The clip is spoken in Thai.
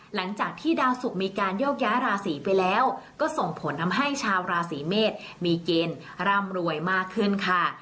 หลังจากที่ดาวสุกมีการโยกย้ายราศีไปแล้วก็ส่งผลทำให้ชาวราศีเมษมีเกณฑ์ร่ำรวยมากขึ้นค่ะ